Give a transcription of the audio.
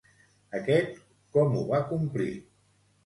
Aquest com ho va complir?